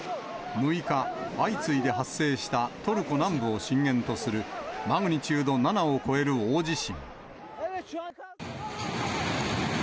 ６日、相次いで発生したトルコ南部を震源とするマグニチュード７を超える大地震。